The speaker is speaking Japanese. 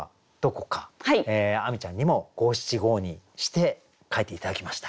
亜美ちゃんにも五七五にして書いて頂きました。